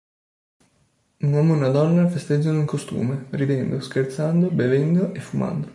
Un uomo e una donna festeggiano in costume, ridendo, scherzando, bevendo e fumando.